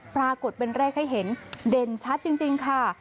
ปรากฏเป็นเลขให้เห็นเด่นชัดจริงค่ะ